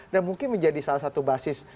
dan mungkin menjadi salah satu basis